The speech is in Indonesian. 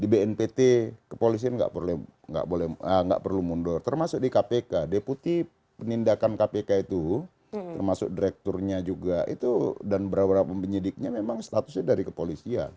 di bnpt kepolisian nggak perlu mundur termasuk di kpk deputi penindakan kpk itu termasuk direkturnya juga itu dan beberapa penyidiknya memang statusnya dari kepolisian